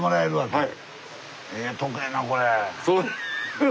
はい。